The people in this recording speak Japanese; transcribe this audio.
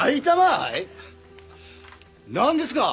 何ですか？